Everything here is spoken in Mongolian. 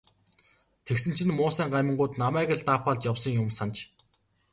Тэгсэн чинь муусайн гамингууд намайг л даапаалж явсан юм санж.